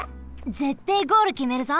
ぜってえゴールきめるぞ！